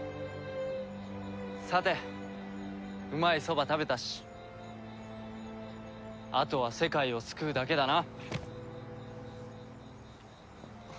さてうまいそば食べたしあとは世界を救うだけだな。